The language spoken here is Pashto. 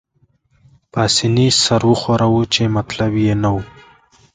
پاسیني سر وښوراوه، چې مطلب يې نه وو.